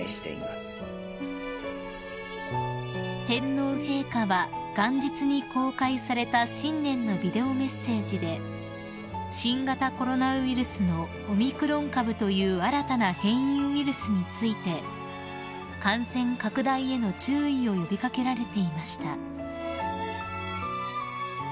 ［天皇陛下は元日に公開された新年のビデオメッセージで新型コロナウイルスのオミクロン株という新たな変異ウイルスについて感染拡大への注意を呼び掛けられていました］